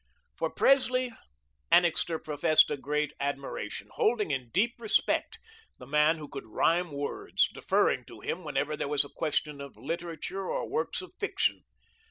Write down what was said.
For Presley, Annixter professed a great admiration, holding in deep respect the man who could rhyme words, deferring to him whenever there was question of literature or works of fiction.